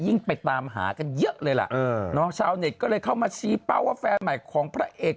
ไปตามหากันเยอะเลยล่ะชาวเน็ตก็เลยเข้ามาชี้เป้าว่าแฟนใหม่ของพระเอก